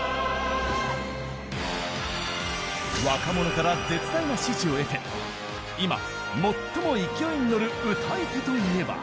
若者から絶大な支持を得て今最も勢いに乗る歌い手といえば。